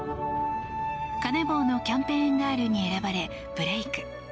カネボウのキャンペーンガールに選ばれ、ブレーク。